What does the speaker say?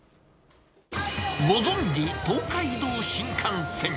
ご存じ、東海道新幹線。